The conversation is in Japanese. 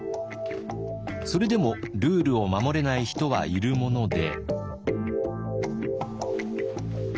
それでもルールを守れない人はいるもので。